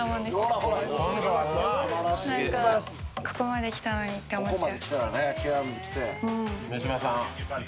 ここまで来たのにって思っちゃう。